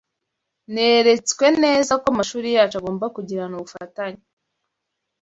Neretswe neza ko amashuri yacu agomba kugirana ubufatanye